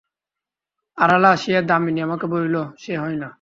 আড়ালে আসিয়া দামিনী আমাকে বলিল, সে হয় না।